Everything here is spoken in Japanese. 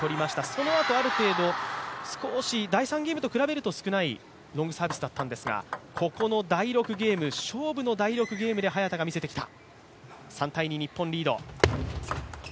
そのあとある程度、第３ゲームと比べると少ないロングサービスだったんですがここの第６ゲーム、勝負の第６ゲームで早田が見せてきた。